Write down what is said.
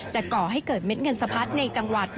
ก่อให้เกิดเม็ดเงินสะพัดในจังหวัด